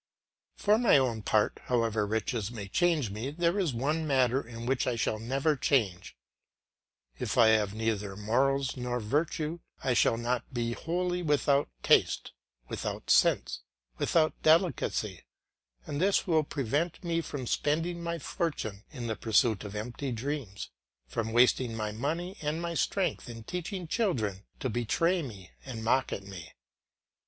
For my own part, however riches may change me, there is one matter in which I shall never change. If I have neither morals nor virtue, I shall not be wholly without taste, without sense, without delicacy; and this will prevent me from spending my fortune in the pursuit of empty dreams, from wasting my money and my strength in teaching children to betray me and mock at me.